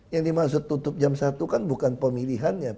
yang dimaksud tutup jam satu kan bukan pemilihannya